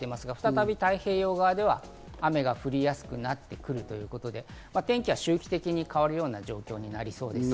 再び太平洋側では雨が降りやすくなってくるということで、天気は周期的に変わるような状況になりそうです。